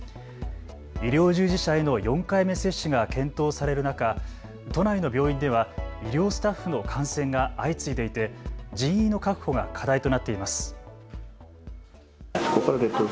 医療従事者への４回目接種が検討される中、都内の病院では医療スタッフの感染が相次いでいて人員の確保が課題となっています。